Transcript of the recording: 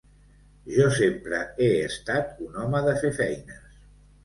Jo sempre he estat un home de fer feines.